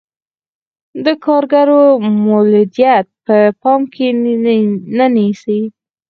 د کارګرو مولدیت په پام کې نه نیسي.